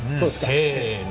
せの。